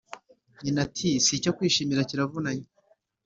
nyina ati"sicyo kwishimira kiravunanye"